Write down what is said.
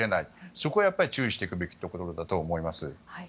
そこは注意していくべきところだと思います。